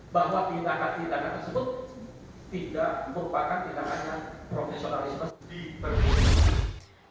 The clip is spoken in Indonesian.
bahwa tindakan tindakan tersebut tidak merupakan tindakan yang profesionalis